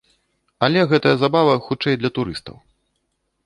Але гэтая забава хутчэй для турыстаў.